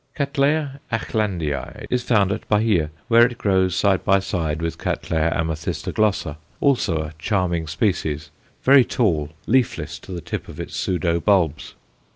C. Acklandiæ is found at Bahia, where it grows side by side with C. amethystoglossa, also a charming species, very tall, leafless to the tip of its pseudo bulbs.